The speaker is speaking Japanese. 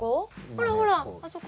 ほらほらあそこ。